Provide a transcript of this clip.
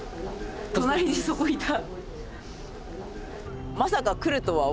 隣にそこいた。